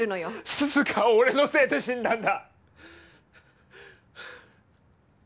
涼香は俺のせいで死んだんだ！